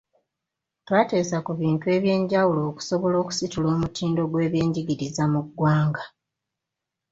Twateesa ku bintu eby’enjawulo okusobola okusitula omutindo gw’ebyenjigiriza mu ggwanga.